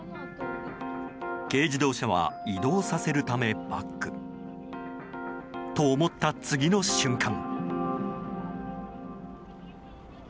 軽自動車は、移動させるためバックと思った次の瞬間。